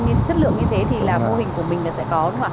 nên chất lượng như thế thì là mô hình của mình là sẽ có đúng không ạ